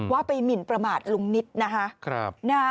ว่าไปหมินประมาทลุงนิตนะคะ